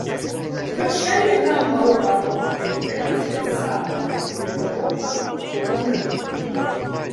Verŝajne ambaŭ rakonto devenas de sama hindeŭropa komuna mito.